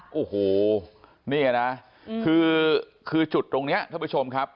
โอ้โหนี่นะคือจุดตรงนี้ท่านผู้ชมครับ